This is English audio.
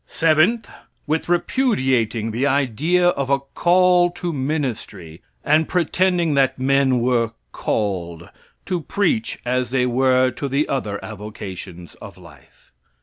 Seventh. With repudiating the idea of a "call" to ministry, and pretending that men were "called," to preach as they were to the other avocations of life.